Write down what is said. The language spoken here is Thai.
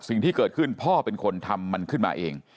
สิ่งที่เกิดขึ้นพ่อเป็นคนทำมันขึ้นมาเอง